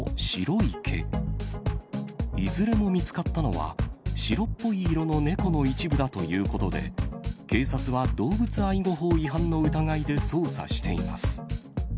いずれも見つかったのは白っぽい色の猫の一部だということで、警察は動物愛護法違反の疑いで捜査しています。